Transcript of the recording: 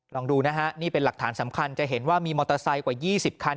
ลองดูนะฮะนี่เป็นหลักฐานสำคัญจะเห็นว่ามีมอเตอร์ไซค์กว่า๒๐คัน